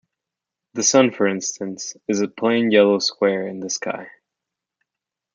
The Sun for instance, is a plain yellow square in the sky.